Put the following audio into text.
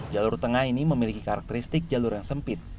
jalur tengah ini memiliki karakteristik jalur yang sempit